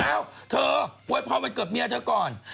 เอ้าเธอโบยพร้อมวันเกิบเมียเต้อก่อน